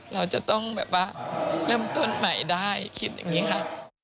เราจะต้องแบบว่าเริ่มต้นใหม่ได้คิดอย่างนี้ค่ะ